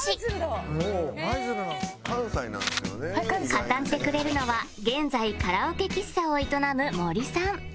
語ってくれるのは現在カラオケ喫茶を営む森さん